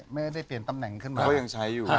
ไม่ได้เปลี่ยนตำแหน่งขึ้นมา